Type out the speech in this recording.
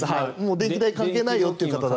電気代関係ないよという方だったら。